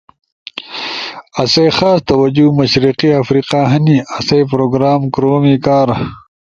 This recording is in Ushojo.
آسئی خاص توجہ مشرقی افریقہ ہنی، آسئی پروگرام کورومی کار